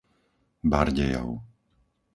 Bardejov